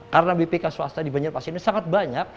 karena bpk swasta di banjarmasin ini sangat banyak